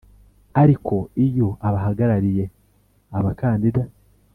Ariko iyo abahagarariye abakandida